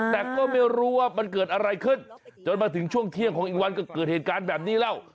แต่ก็ไม่รู้ว่ามันเกิดอะไรขึ้นจนมาถึงช่วงเที่ยงของอีกวันก็เกิดเหตุการณ์แบบนี้แล้ว